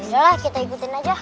yaudahlah kita ikutin aja